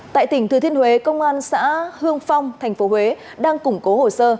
tại tỉnh thừa thiên huế công an xã hương phong thành phố huế đang củng cố hồ sơ